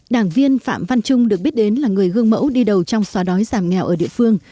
đảng viên phạm văn trung được biết đến là người gương mẫu đi đầu trong xóa đói giảm nghèo ở địa phương